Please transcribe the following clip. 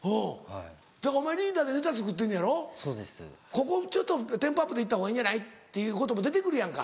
「ここテンポアップで行ったほうがいいんじゃない？」っていうことも出て来るやんか。